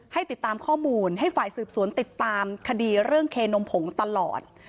ให้ติดตามข้อมูลให้ฝ่ายสืบสวนติดตามคดีเรื่องเคนมผงตลอด